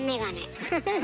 フフフフッ。